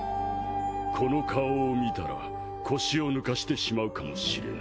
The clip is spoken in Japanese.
この顔を見たら腰を抜かしてしまうかもしれん。